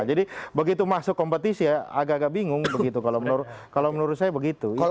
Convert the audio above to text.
begitu masuk kompetisi ya agak agak bingung begitu kalau menurut saya begitu